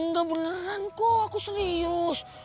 gak beneran kok aku serius